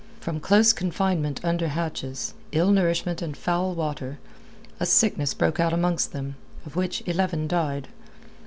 From close confinement under hatches, ill nourishment and foul water, a sickness broke out amongst them, of which eleven died.